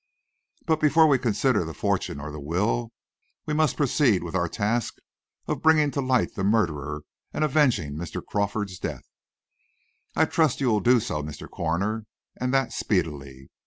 "But before we consider the fortune or the will, we must proceed with our task of bringing to light the murderer, and avenging Mr. Crawford's death." "I trust you will do so, Mr. Coroner, and that speedily.